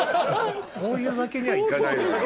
そういうわけにはいかないのよ。